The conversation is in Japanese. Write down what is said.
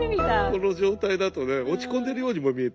この状態だとね落ち込んでるようにも見えた。